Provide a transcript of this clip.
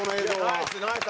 ナイスナイス。